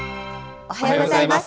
おはようございます。